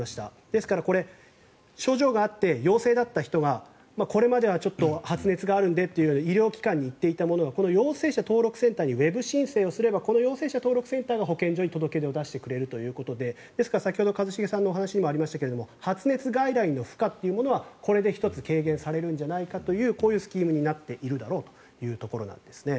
ですから、これ症状があって陽性だった人がこれまではちょっと発熱があるのでとなったら医療機関に行っていたのがこの陽性者登録センターにウェブ申請をすればこの陽性者登録センターが保健所に届け出を出してくれるということで先ほど一茂さんのお話にもありましたが発熱外来の負荷というのはこれで１つ軽減されるんじゃないかというこういうスキームになっているというところなんですね。